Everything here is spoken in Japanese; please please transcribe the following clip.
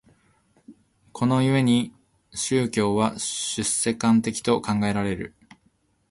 この故に宗教は出世間的と考えられる。